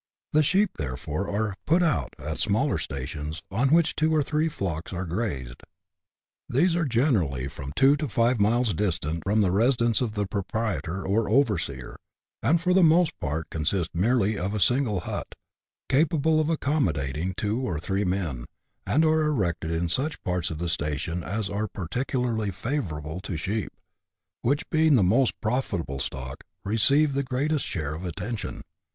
The sheep, therefore, are " put out" at smaller '* stations," on which two or three flocks are grazed ; these are generally from two to five miles distant from the residence of the proprietor, or overseer, and for the most part consist merely of a single hut, capable of accommodating two or three men, and are erected in such parts of the station as are particularly favourable to sheep, which, being the most profitable stock, receive the greatest share of attention.